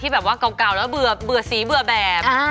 แบบว่าเก่าแล้วเบื่อสีเบื่อแบบ